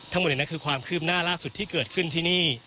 ทั้งหมดนี้คือความคืบหน้าล่าสุดที่เกิดขึ้นที่นี่